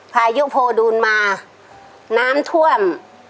พายุโพดูนมาน้ำท่วม